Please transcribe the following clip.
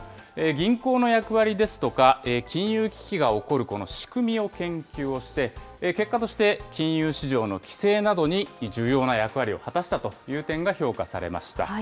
銀行の役割ですとか、金融危機が起こるこの仕組みを研究して、結果として金融市場の規制などに重要な役割を果たしたという点が評価されました。